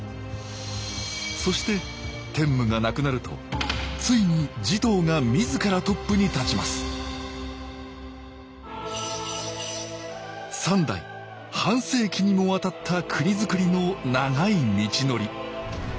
そして天武が亡くなるとついに持統が自らトップに立ちます三代半世紀にもわたった国づくりの長い道のり。